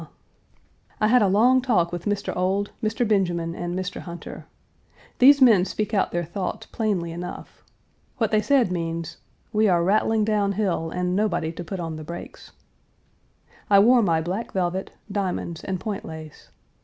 Page 284 I had a long talk with Mr. Ould, Mr. Benjamin, and Mr. Hunter. These men speak out their thoughts plainly enough. What they said means "We are rattling down hill, and nobody to put on the brakes." I wore my black velvet, diamonds, and point lace.